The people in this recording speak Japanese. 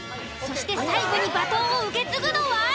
そして最後にバトンを受け継ぐのは？